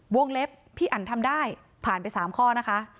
เล็บพี่อันทำได้ผ่านไป๓ข้อนะคะ